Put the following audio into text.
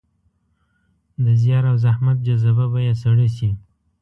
د زیار او زحمت جذبه به يې سړه شي.